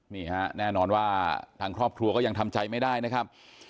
นี่ฮะแน่นอนว่าทางครอบครัวก็ยังทำใจไม่ได้นะครับ